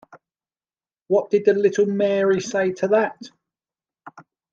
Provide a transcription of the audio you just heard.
What did the little Mary say to that?